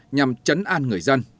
nhằm chấn an người dân